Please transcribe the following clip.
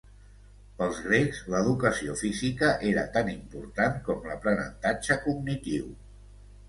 Pels grecs, l'educació física era tan important com l'aprenentatge cognitiu.